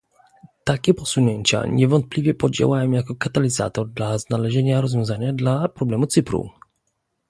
Takie posunięcia niewątpliwie podziałają jako katalizator dla znalezienia rozwiązania dla problemu Cypru